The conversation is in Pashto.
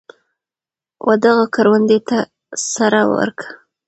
ودغه کروندې ته سره ورکه.